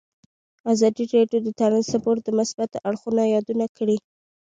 ازادي راډیو د ترانسپورټ د مثبتو اړخونو یادونه کړې.